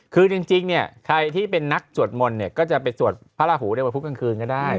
คือจริงเนี่ยใครที่เป็นนักสวดมนต์เนี่ยก็จะไปสวดพระราหูในวันพุธกลางคืนก็ได้